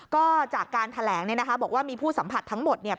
ก็จากการแถลงเนี่ยนะคะบอกว่ามีผู้สัมผัสทั้งหมดเนี่ย